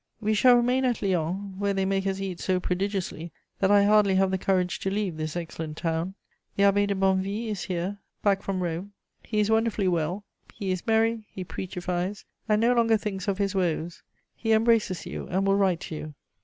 We shall remain at Lyons, where they make us eat so prodigiously that I hardly have the courage to leave this excellent town. The Abbé de Bonnevie is here, back from Rome; he is wonderfully well; he is merry, he preachifies, and no longer thinks of his woes; he embraces you and will write to you.